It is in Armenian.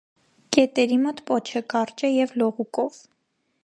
Կետերի մոտ պոչը կարճ է և լողուկով։